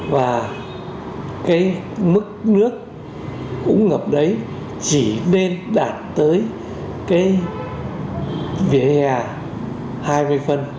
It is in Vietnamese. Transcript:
và cái mức nước cũng ngập đấy chỉ nên đạt tới cái vỉa hè hai mươi phân